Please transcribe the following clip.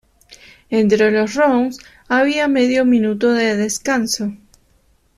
Entre los rounds había medio minuto de descanso.